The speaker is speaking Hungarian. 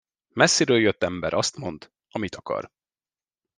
Messziről jött ember azt mond, amit akar.